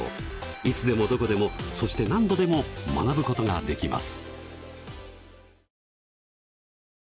いつでもどこでもそして何度でも学ぶことができます。